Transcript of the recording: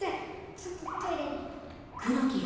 ちょっとトイレに。